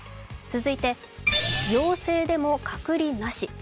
続いて陽性でも隔離なし。